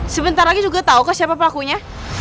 sebentar lagi juga tahu ke siapa pelakunya